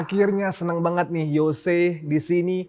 akhirnya seneng banget nih yose disini